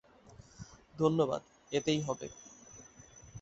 ধন্যবাদ, এতেই হবে।